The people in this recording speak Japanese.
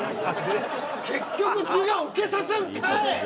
結局授業受けさすんかい！